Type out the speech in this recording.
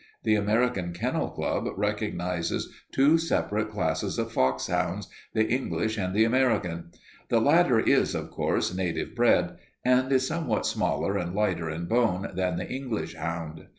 The American Kennel Club recognizes two separate classes of foxhounds, the English and the American. The latter is, of course, native bred, and is somewhat smaller and lighter in bone than the English hound.